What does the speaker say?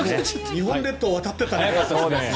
日本列島を渡っていったね。